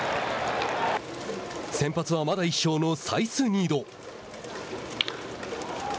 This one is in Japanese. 先発はまだ１勝のサイスニード。